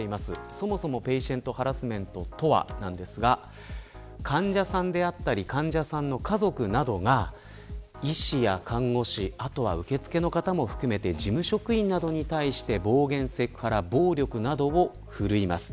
そもそもペイシェントハラスメントとは患者さんであったり患者さんの家族などが医師や看護師、あとは受け付けの方も含めて事務職員などに対して暴言、セクハラ暴力などをふるいます。